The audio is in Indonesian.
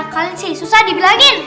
kalian sih susah dibilangin